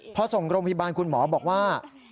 พอส่งกรมพิบันคุณหมอบอกว่า